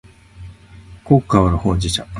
濃く香るほうじ茶